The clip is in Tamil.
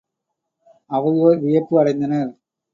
அவையோர் வியப்பு அடைந்தனர்.